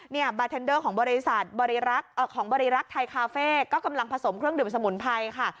บาร์เทนเดอร์ของบริษัทของบริรักษ์ไทยคาเฟ่ก็กำลังผสมเครื่องดื่มสมุนไพรค่ะ